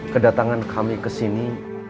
kedatangan kami kesini